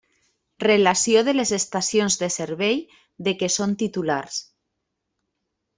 Relació de les estacions de servei de què són titulars.